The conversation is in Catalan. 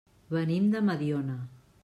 Venim de Mediona.